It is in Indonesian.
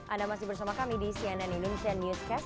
anda masih bersama kami di cnn indonesia newscast